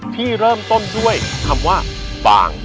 ที่เริ่มต้นด้วยคำว่าปาง